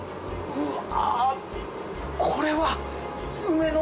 うわ！